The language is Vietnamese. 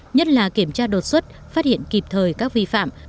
nhất là kiểm tra đột xuất phát hiện kịp thời các vi phạm